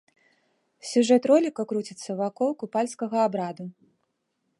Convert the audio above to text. Сюжэт роліка круціцца вакол купальскага абраду.